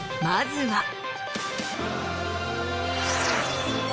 まずは。